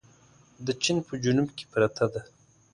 د چين په جنوب کې پرته ده.